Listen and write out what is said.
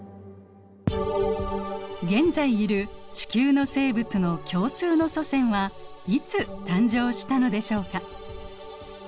現在いる地球の生物の共通の祖先はいつ誕生したのでしょうか？